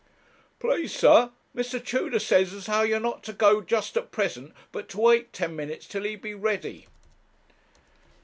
'Please, sir, Mr. Tudor says as how you're not to go just at present, but to wait ten minutes till he be ready.'